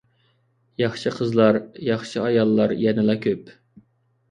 ياخشى قىزلار، ياخشى ئاياللار يەنىلا كۆپ!